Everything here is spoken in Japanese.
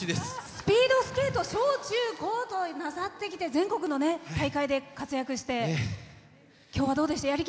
スピードスケート小中高となさってきて全国の大会で活躍して今日、どうでした？